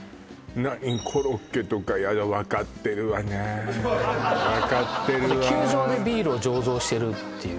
何コロッケとかやだ分かってるわね分かってるわ球場でビールを醸造してるっていう